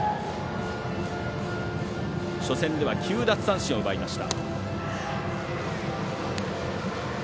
初戦では９奪三振を奪いました。